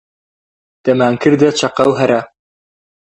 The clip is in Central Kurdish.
دەمانکردە چەقە و هەرا